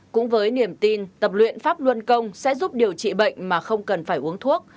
cũng với niềm tin tập luyện pháp luân công sẽ giúp điều trị bệnh mà không cần phải uống thuốc